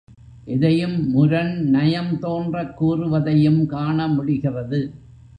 எதையும் முரண் நயம் தோன்றக் கூறுவதையும் காண முடிகிறது.